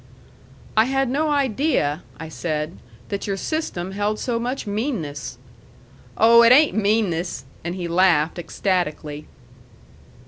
"I had no idea," I said, "that your system held so much meanness." "Oh, it ain't meanness!" And he laughed ecstatically.